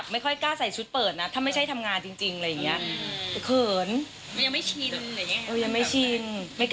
อ๋อไม่อยากให้ออกในโฟล์มาก